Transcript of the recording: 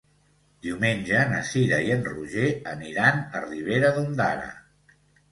Diumenge na Cira i en Roger aniran a Ribera d'Ondara.